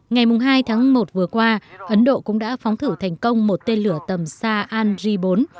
ngày hai tháng một vừa qua ấn độ cũng đã phóng thử thành công một tên lửa tầm sa an ri bốn